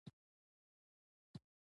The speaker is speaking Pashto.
که عقل ولري نو بيا هم کم عقل يي